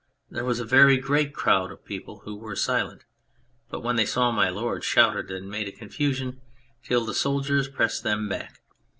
There was a very great crowd of people who were silent, but when they saw My Lord shouted and made a con fusion, till the soldiers pressed them back.